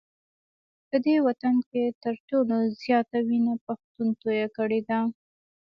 په دې وطن کي تر ټولو زیاته وینه پښتون توی کړې ده